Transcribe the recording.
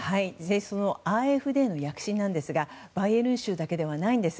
そのＡｆＤの躍進ですがバイエルン州だけではないんです。